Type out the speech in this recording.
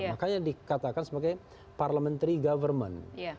makanya dikatakan sebagai parliamentary government